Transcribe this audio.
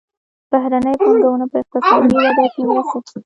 بهرنۍ پانګونه په اقتصادي وده کې مرسته کوي.